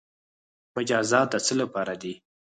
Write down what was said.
مجازات د څه لپاره دي؟